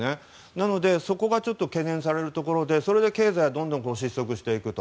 なのでそこが懸念されるところでそれで経済がどんどん失速していくと。